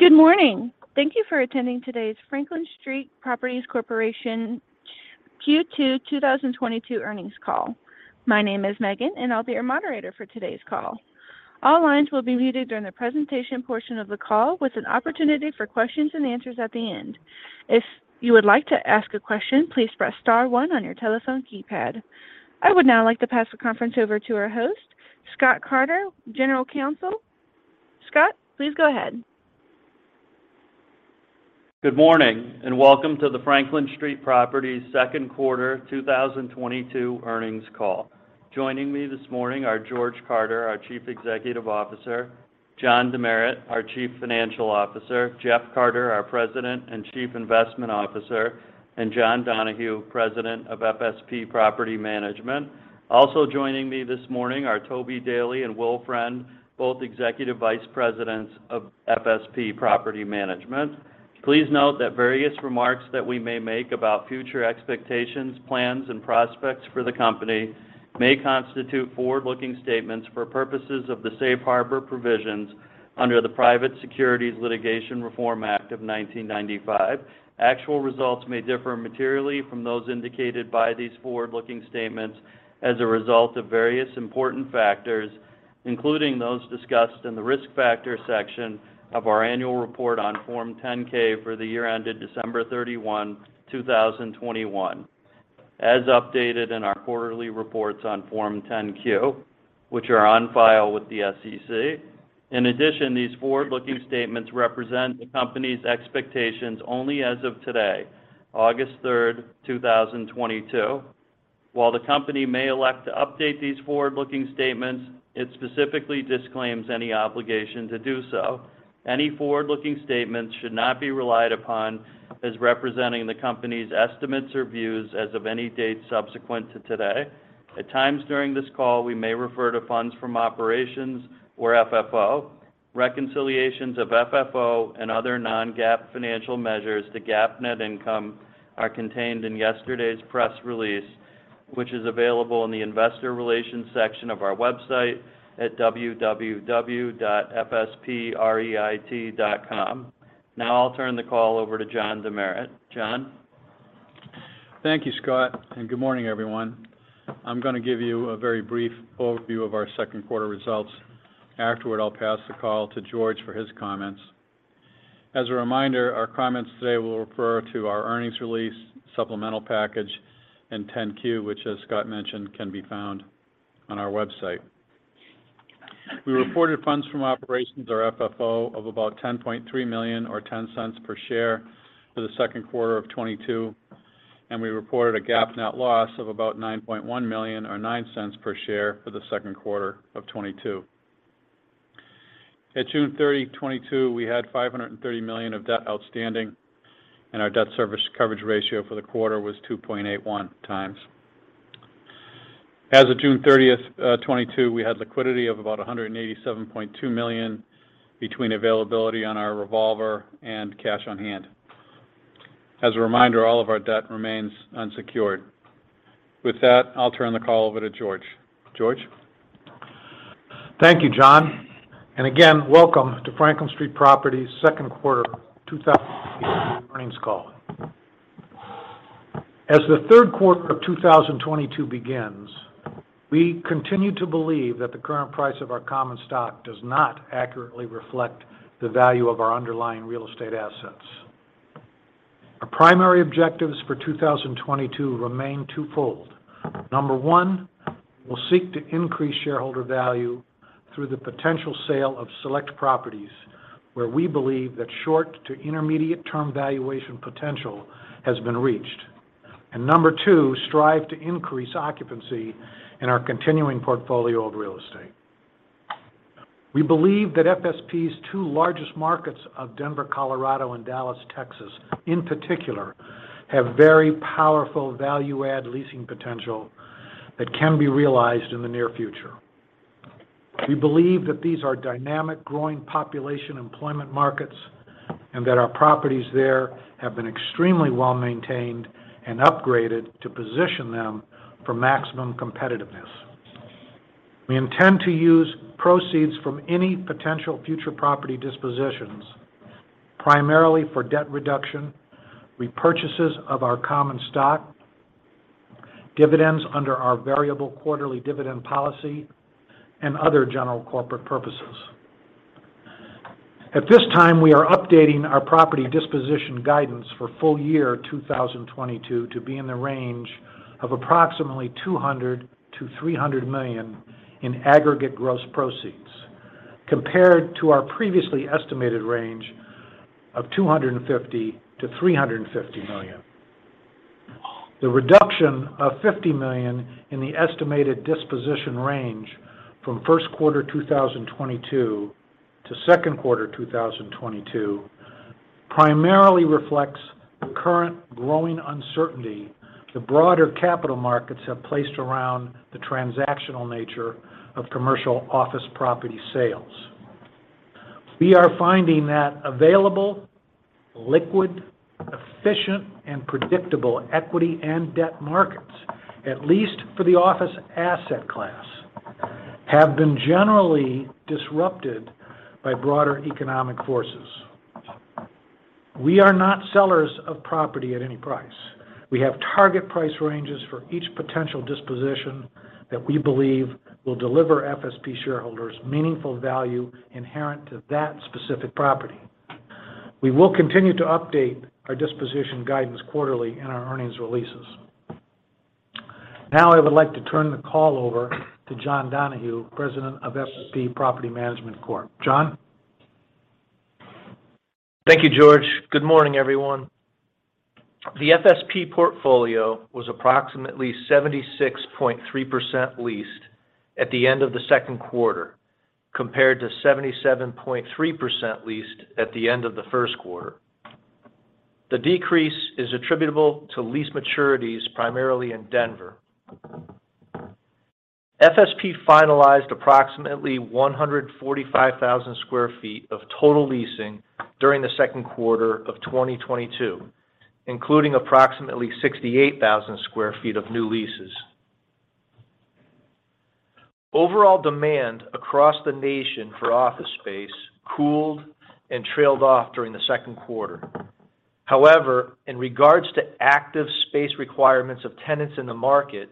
Good morning. Thank you for attending today's Franklin Street Properties Corp. Q2 2022 earnings call. My name is Megan, and I'll be your moderator for today's call. All lines will be muted during the presentation portion of the call with an opportunity for questions and answers at the end. If you would like to ask a question, please press star one on your telephone keypad. I would now like to pass the conference over to our host, Scott Carter, General Counsel. Scott, please go ahead. Good morning and welcome to the Franklin Street Properties Q2 2022 earnings call. Joining me this morning are George Carter, our Chief Executive Officer, John Demeritt, our Chief Financial Officer, Jeff Carter, our President and Chief Investment Officer, and John Donahue, President of FSP Property Management. Also joining me this morning are Toby Daley and William Friend, both Executive Vice Presidents of FSP Property Management. Please note that various remarks that we may make about future expectations, plans and prospects for the company may constitute forward-looking statements for purposes of the Safe Harbor Provisions under the Private Securities Litigation Reform Act of 1995. Actual results may differ materially from those indicated by these forward-looking statements as a result of various important factors, including those discussed in the Risk Factors section of our annual report on Form 10-K for the year ended December 31, 2021, as updated in our quarterly reports on Form 10-Q, which are on file with the SEC. In addition, these forward-looking statements represent the company's expectations only as of today, August 3, 2022. While the company may elect to update these forward-looking statements, it specifically disclaims any obligation to do so. Any forward-looking statements should not be relied upon as representing the company's estimates or views as of any date subsequent to today. At times during this call, we may refer to funds from operations or FFO. Reconciliations of FFO and other non-GAAP financial measures to GAAP net income are contained in yesterday's press release, which is available in the Investor Relations section of our website at www.fspreit.com. Now I'll turn the call over to John Demeritt. John. Thank you, Scott, and good morning, everyone. I'm going to give you a very brief overview of our Q2 results. Afterward, I'll pass the call to George for his comments. As a reminder, our comments today will refer to our earnings release, supplemental package, and 10-Q, which, as Scott mentioned, can be found on our website. We reported funds from operations or FFO of about $10.3 million or $0.10 per share for the Q2 of 2022, and we reported a GAAP net loss of about $9.1 million or $0.09 per share for the Q2 of 2022. At June 30, 2022, we had $530 million of debt outstanding, and our Debt Service Coverage Ratio for the quarter was 2.81x. As of June 30, 2022, we had liquidity of about $187.2 million between availability on our revolver and cash on hand. As a reminder, all of our debt remains unsecured. With that, I'll turn the call over to George. George? Thank you, John. Again, welcome to Franklin Street Properties Q2 2022 earnings call. As the Q3 of 2022 begins, we continue to believe that the current price of our common stock does not accurately reflect the value of our underlying real estate assets. Our primary objectives for 2022 remain twofold. Number one, we'll seek to increase shareholder value through the potential sale of select properties where we believe that short to intermediate term valuation potential has been reached. Number two, strive to increase occupancy in our continuing portfolio of real estate. We believe that FSP's two largest markets of Denver, Colorado, and Dallas, Texas, in particular, have very powerful value add leasing potential that can be realized in the near future. We believe that these are dynamic, growing population employment markets and that our properties there have been extremely well-maintained and upgraded to position them for maximum competitiveness. We intend to use proceeds from any potential future property dispositions primarily for debt reduction, repurchases of our common stock, dividends under our variable quarterly dividend policy, and other general corporate purposes. At this time, we are updating our property disposition guidance for full year 2022 to be in the range of approximately $200 million-$300 million in aggregate gross proceeds compared to our previously estimated range of $250 million-$350 million. The reduction of $50 million in the estimated disposition range from Q1 2022 to Q2 2022 primarily reflects the current growing uncertainty the broader capital markets have placed around the transactional nature of commercial office property sales. We are finding that available, liquid, efficient, and predictable equity and debt markets, at least for the office asset class, have been generally disrupted by broader economic forces. We are not sellers of property at any price. We have target price ranges for each potential disposition that we believe will deliver FSP shareholders meaningful value inherent to that specific property. We will continue to update our disposition guidance quarterly in our earnings releases. Now, I would like to turn the call over to John Donahue, President of FSP Property Management Corp. John. Thank you, George. Good morning, everyone. The FSP portfolio was approximately 76.3% leased at the end of the Q2, compared to 77.3% leased at the end of the first quarter. The decrease is attributable to lease maturities primarily in Denver. FSP finalized approximately 145,000 sq ft of total leasing during the Q2 of 2022, including approximately 68,000 sq ft of new leases. Overall demand across the nation for office space cooled and trailed off during the Q2. However, in regards to active space requirements of tenants in the market,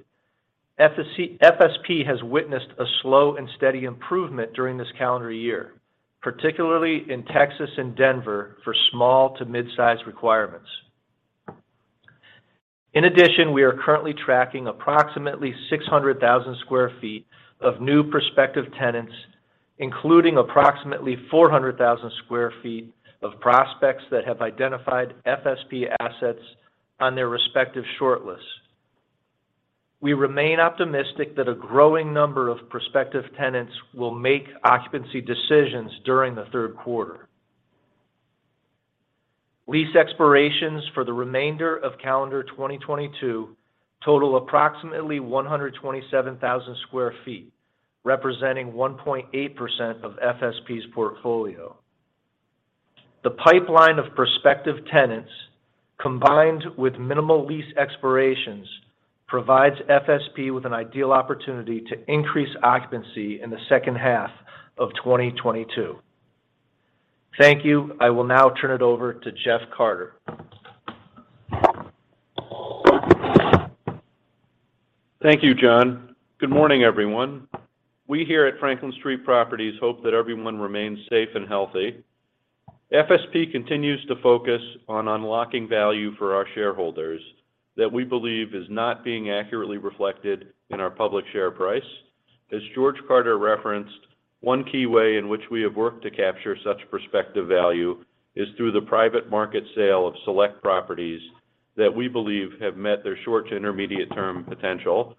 FSP has witnessed a slow and steady improvement during this calendar year, particularly in Texas and Denver for small to mid-size requirements. In addition, we are currently tracking approximately 600,000 sq ft of new prospective tenants, including approximately 400,000 sq ft of prospects that have identified FSP assets on their respective shortlists. We remain optimistic that a growing number of prospective tenants will make occupancy decisions during the Q3. Lease expirations for the remainder of calendar 2022 total approximately 127,000 sq ft, representing 1.8% of FSP's portfolio. The pipeline of prospective tenants, combined with minimal lease expirations, provides FSP with an ideal opportunity to increase occupancy in the H2 of 2022. Thank you. I will now turn it over to Jeff Carter. Thank you, John. Good morning, everyone. We here at Franklin Street Properties hope that everyone remains safe and healthy. FSP continues to focus on unlocking value for our shareholders that we believe is not being accurately reflected in our public share price. As George Carter referenced, one key way in which we have worked to capture such prospective value is through the private market sale of select properties that we believe have met their short to intermediate term potential.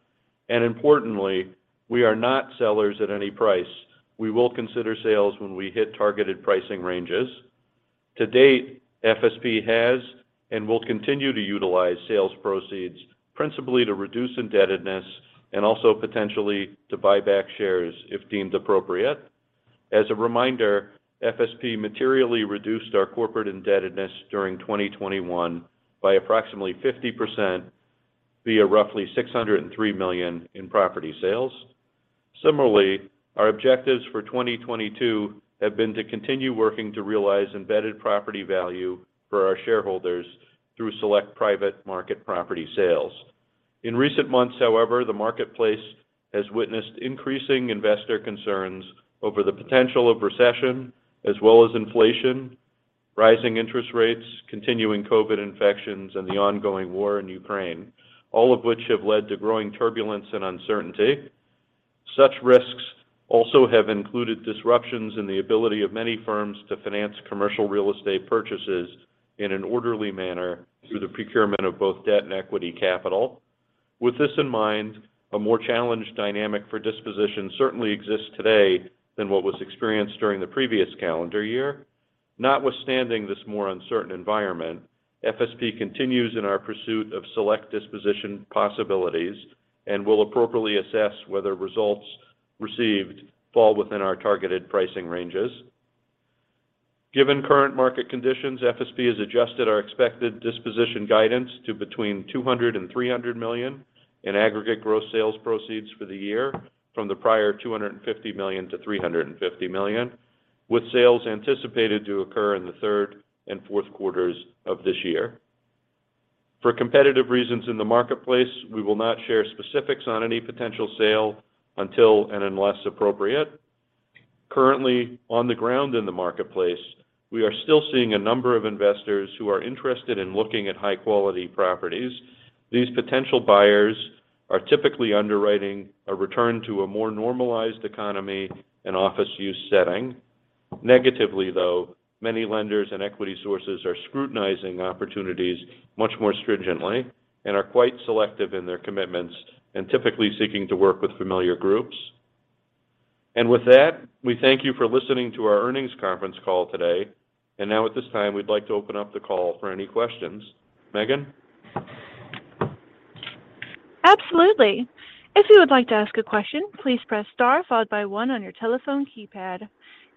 Importantly, we are not sellers at any price. We will consider sales when we hit targeted pricing ranges. To date, FSP has and will continue to utilize sales proceeds principally to reduce indebtedness and also potentially to buy back shares if deemed appropriate. As a reminder, FSP materially reduced our corporate indebtedness during 2021 by approximately 50% via roughly $603 million in property sales. Similarly, our objectives for 2022 have been to continue working to realize embedded property value for our shareholders through select private market property sales. In recent months, however, the marketplace has witnessed increasing investor concerns over the potential of recession as well as inflation, rising interest rates, continuing COVID infections, and the ongoing war in Ukraine, all of which have led to growing turbulence and uncertainty. Such risks also have included disruptions in the ability of many firms to finance commercial real estate purchases in an orderly manner through the procurement of both debt and equity capital. With this in mind, a more challenged dynamic for disposition certainly exists today than what was experienced during the previous calendar year. Notwithstanding this more uncertain environment, FSP continues in our pursuit of select disposition possibilities and will appropriately assess whether results received fall within our targeted pricing ranges. Given current market conditions, FSP has adjusted our expected disposition guidance to between $200 million and $300 million in aggregate gross sales proceeds for the year from the prior $250 million to $350 million, with sales anticipated to occur in the third and Q4s of this year. For competitive reasons in the marketplace, we will not share specifics on any potential sale until and unless appropriate. Currently, on the ground in the marketplace, we are still seeing a number of investors who are interested in looking at high quality properties. These potential buyers are typically underwriting a return to a more normalized economy and office use setting. Negatively, though, many lenders and equity sources are scrutinizing opportunities much more stringently and are quite selective in their commitments and typically seeking to work with familiar groups. With that, we thank you for listening to our earnings conference call today. Now at this time, we'd like to open up the call for any questions. Megan. Absolutely. If you would like to ask a question, please press star followed by one on your telephone keypad.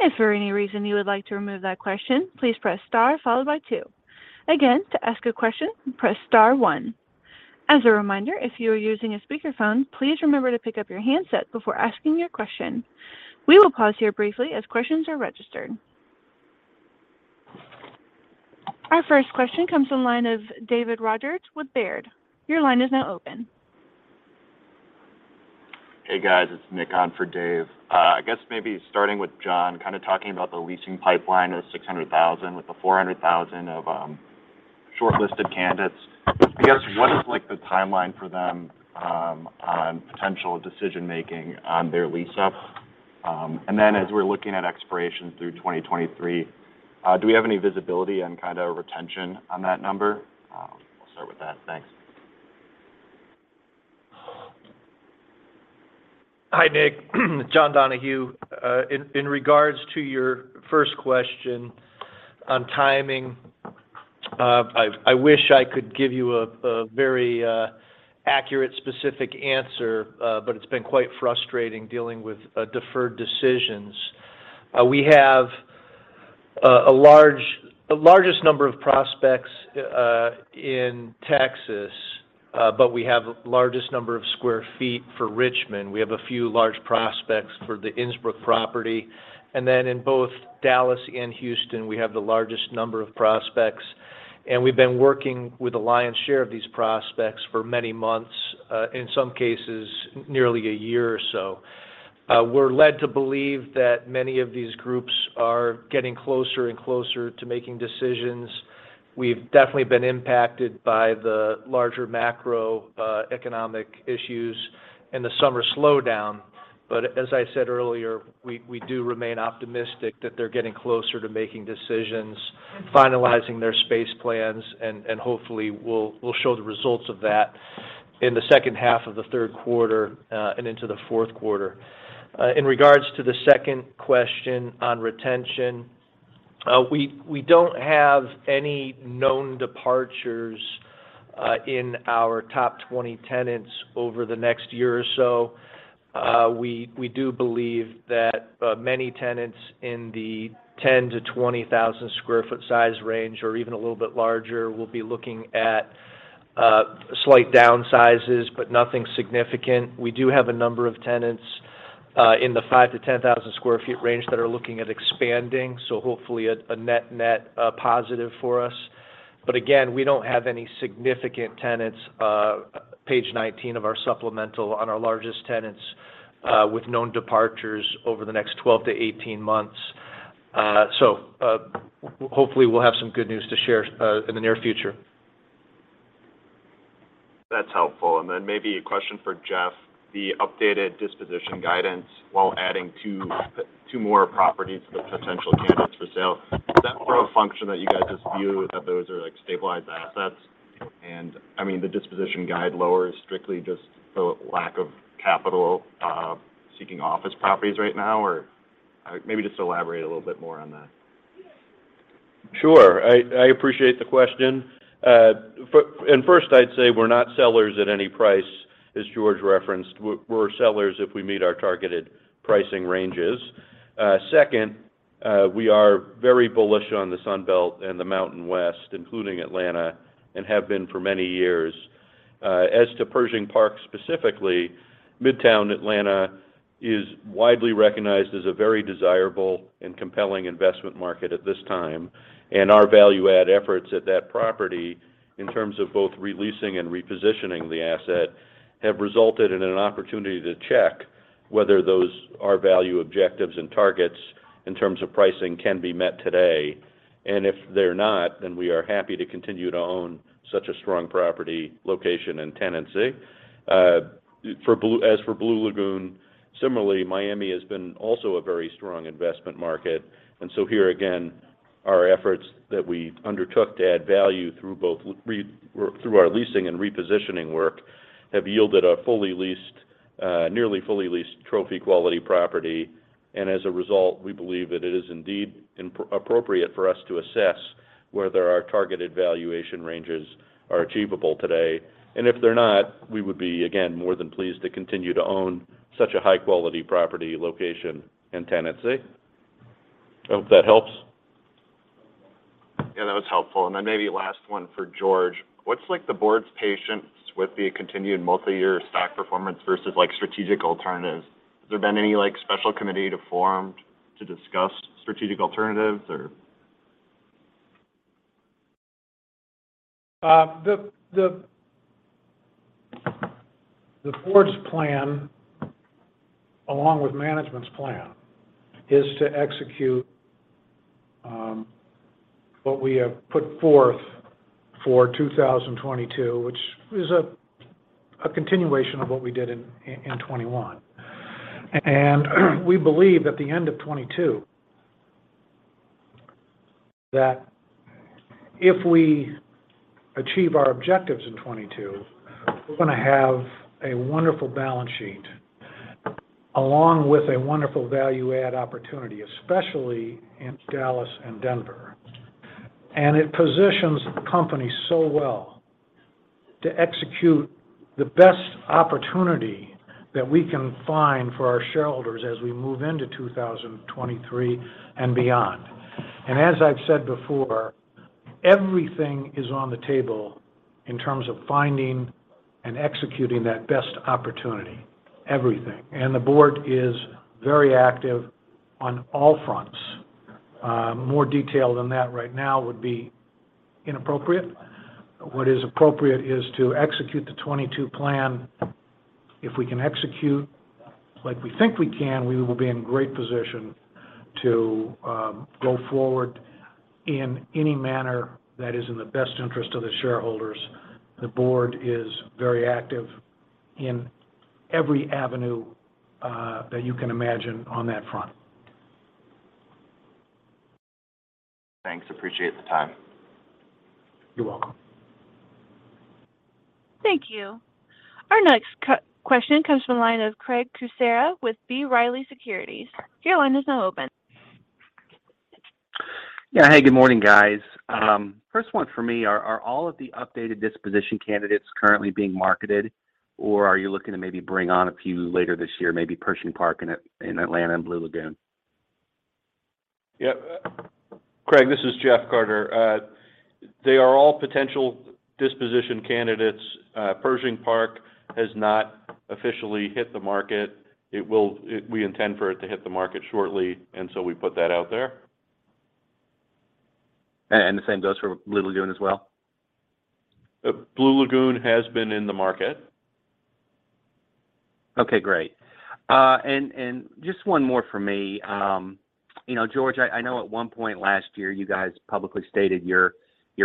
If for any reason you would like to remove that question, please press Star followed by two. Again, to ask a question, press Star one. As a reminder, if you are using a speakerphone, please remember to pick up your handset before asking your question. We will pause here briefly as questions are registered. Our first question comes from the line of Dave Rodgers with Baird. Your line is now open. Hey guys, it's Nick on for Dave. I guess maybe starting with John, kind of talking about the leasing pipeline of 600,000 with the 400,000 of shortlisted candidates. I guess, what is like the timeline for them on potential decision-making on their lease-up? As we're looking at expiration through 2023, do we have any visibility and kind of retention on that number? We'll start with that. Thanks. Hi, Nick. John Donahue. In regards to your first question on timing, I wish I could give you a very accurate specific answer, but it's been quite frustrating dealing with deferred decisions. We have the largest number of prospects in Texas, but we have the largest number of sq ft for Richmond. We have a few large prospects for the Innsbrook property. In both Dallas and Houston, we have the largest number of prospects. We've been working with the lion's share of these prospects for many months, in some cases nearly a year or so. We're led to believe that many of these groups are getting closer and closer to making decisions. We've definitely been impacted by the larger macroeconomic issues and the summer slowdown. As I said earlier, we do remain optimistic that they're getting closer to making decisions, finalizing their space plans, and hopefully we'll show the results of that in the H2 of the Q3 and into the Q4. In regards to the second question on retention, we don't have any known departures in our top 20 tenants over the next year or so. We do believe that many tenants in the 10,000 sq ft-20,000 sq ft size range or even a little bit larger will be looking at slight downsizes, but nothing significant. We do have a number of tenants in the 5,000 sq ft-10,000 sq ft range that are looking at expanding, so hopefully a net positive for us. Again, we don't have any significant tenants, page 19 of our supplemental on our largest tenants, with known departures over the next 12 months-18 months. Hopefully we'll have some good news to share in the near future. That's helpful. Maybe a question for Jeff. The updated disposition guidance while adding two more properties with potential candidates for sale. Is that more a function that you guys just view that those are like stabilized assets? I mean, the disposition guide lower is strictly just the lack of capital seeking office properties right now? Or, maybe just elaborate a little bit more on that. Sure. I appreciate the question. First, I'd say we're not sellers at any price, as George referenced. We're sellers if we meet our targeted pricing ranges. Second, we are very bullish on the Sun Belt and the Mountain West, including Atlanta, and have been for many years. As to Pershing Park specifically, Midtown Atlanta is widely recognized as a very desirable and compelling investment market at this time. Our value add efforts at that property in terms of both releasing and repositioning the asset have resulted in an opportunity to check whether those, our value objectives and targets in terms of pricing can be met today. If they're not, then we are happy to continue to own such a strong property, location, and tenancy. As for Blue Lagoon, similarly, Miami has been also a very strong investment market. Here again, our efforts that we undertook to add value through our leasing and repositioning work have yielded a fully leased, nearly fully leased trophy quality property. As a result, we believe that it is indeed appropriate for us to assess whether our targeted valuation ranges are achievable today. If they're not, we would be, again, more than pleased to continue to own such a high quality property, location, and tenancy. I hope that helps. Yeah, that was helpful. Maybe last one for George. What's like the board's patience with the continued multi-year stock performance versus like strategic alternatives? Has there been any like special committee to form to discuss strategic alternatives or? The board's plan, along with management's plan, is to execute what we have put forth for 2022, which is a continuation of what we did in 2021. We believe at the end of 2022 that if we achieve our objectives in 2022, we're gonna have a wonderful balance sheet along with a wonderful value add opportunity, especially in Dallas and Denver. It positions the company so well to execute. The best opportunity that we can find for our shareholders as we move into 2023 and beyond. As I've said before, everything is on the table in terms of finding and executing that best opportunity. Everything. The board is very active on all fronts. More detail than that right now would be inappropriate. What is appropriate is to execute the 2022 plan. If we can execute like we think we can, we will be in great position to go forward in any manner that is in the best interest of the shareholders. The board is very active in every avenue that you can imagine on that front. Thanks. Appreciate the time. You're welcome. Thank you. Our next question comes from the line of Craig Kucera with B. Riley Securities. Your line is now open. Yeah. Hey, good morning, guys. First one for me. Are all of the updated disposition candidates currently being marketed, or are you looking to maybe bring on a few later this year, maybe Pershing Park in Atlanta and Blue Lagoon? Yeah. Craig, this is Jeff Carter. They are all potential disposition candidates. Pershing Park has not officially hit the market. We intend for it to hit the market shortly, and so we put that out there. The same goes for Blue Lagoon as well? Blue Lagoon has been in the market. Okay, great. Just one more from me. You know, George, I know at one point last year you guys publicly stated your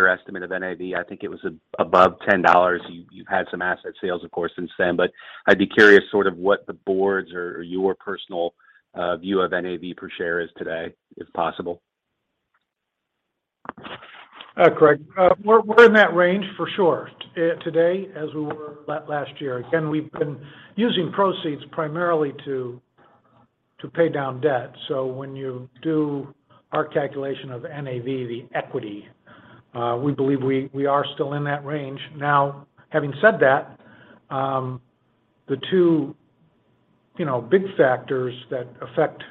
estimate of NAV. I think it was above $10. You've had some asset sales, of course, since then, but I'd be curious sort of what the board's or your personal view of NAV per share is today, if possible. Craig, we're in that range for sure, today as we were last year. Again, we've been using proceeds primarily to pay down debt. When you do our calculation of NAV, the equity, we believe we are still in that range. Now, having said that, the two, you know, big factors that affect,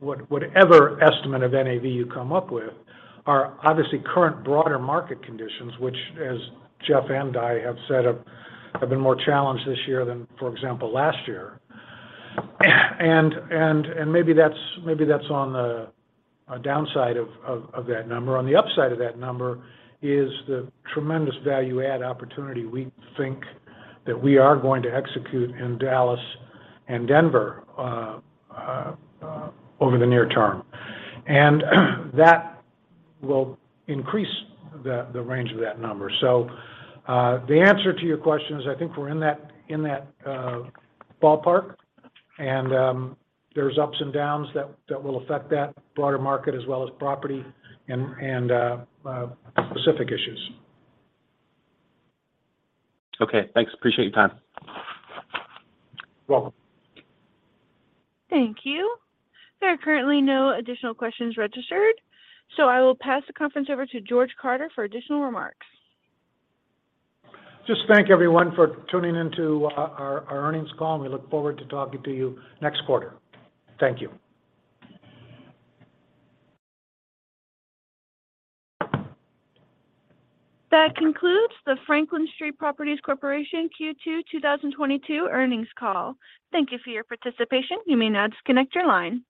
whatever estimate of NAV you come up with are obviously current broader market conditions, which, as Jeff and I have said, have been more challenged this year than, for example, last year. Maybe that's on the downside of that number. On the upside of that number is the tremendous value add opportunity we think that we are going to execute in Dallas and Denver over the near term. That will increase the range of that number. The answer to your question is, I think we're in that ballpark, and there's ups and downs that will affect that broader market as well as property and specific issues. Okay, thanks. Appreciate your time. You're welcome. Thank you. There are currently no additional questions registered, so I will pass the conference over to George Carter for additional remarks. Just thank everyone for tuning in to our earnings call, and we look forward to talking to you next quarter. Thank you. That concludes the Franklin Street Properties Corp. Q2 2022 earnings call. Thank you for your participation. You may now disconnect your line.